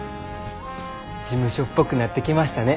事務所っぽくなってきましたね。